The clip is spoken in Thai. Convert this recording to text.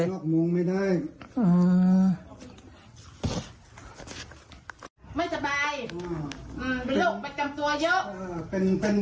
ต้องลงไปจ่ายในมุงเลย